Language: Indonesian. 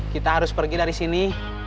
kita harus pergi dari sini